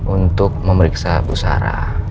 untuk memeriksa bu sarah